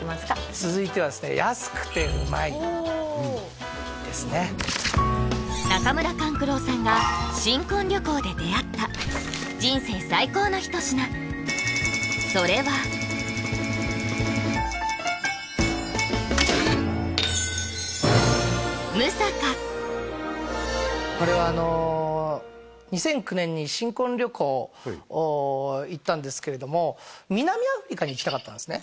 続いては安くて旨いですね中村勘九郎さんが新婚旅行で出会った人生最高の一品それはこれはあの行ったんですけれども南アフリカに行きたかったんですね